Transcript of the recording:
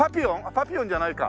パピヨンじゃないか。